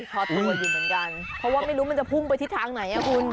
เพราะว่าไม่รู้มันจะพุ่งไปทิศทางไหน